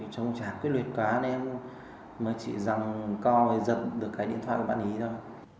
chẳng quyết luyện quá nên em mới chỉ rằng coi giật được cái điện thoại của bạn ấy thôi